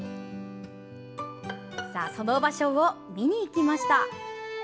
その場所を見に行きました。